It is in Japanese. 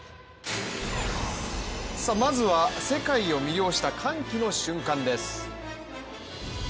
まずは世界を魅了した歓喜の瞬間です。